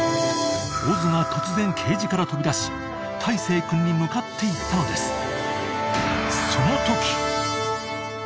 ［オズが突然ケージから飛び出し大生君に向かっていったのです］